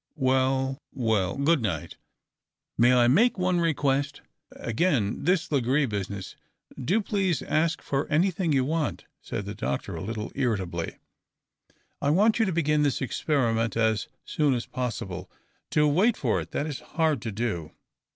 Well, well — good night." " May I make one request ?" "Again this Legree business — do, please, ask for anything you want," said the doctor a little irritably. " I want you to begin this experiment as soon as possible. To wait for it — that is hard to do."